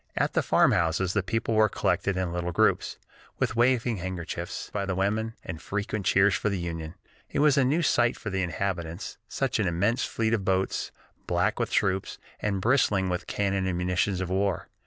At the farmhouses the people were collected in little groups, with waving handkerchiefs by the women, and frequent cheers for the Union. It was a new sight to the inhabitants, such an immense fleet of boats, black with troops, and bristling with cannon and munitions of war.